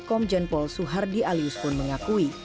komjen paul soehardi alius pun mengakui